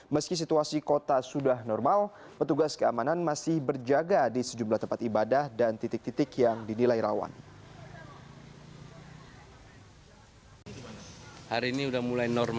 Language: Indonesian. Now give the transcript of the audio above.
meski situasi kota sudah normal petugas keamanan masih berjaga di sejumlah tempat ibadah dan titik titik yang dinilai rawan